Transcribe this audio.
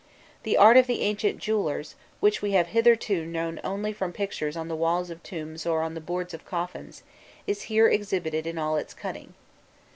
The art of the ancient jewellers, which we have hitherto known only from pictures on the walls of tombs or on the boards of coffins, is here exhibited in all its cunning.